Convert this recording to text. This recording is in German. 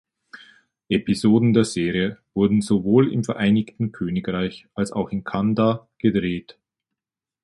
Episoden der Serie wurden sowohl im Vereinigten Königreich als auch in Kanda gedreht.